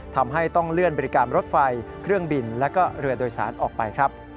ทำให้ต้องเลื่อนบริการรถไฟเครื่องบินและเรือโดยสารออกไปครับ